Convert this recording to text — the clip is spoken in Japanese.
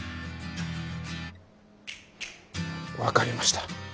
分かりました。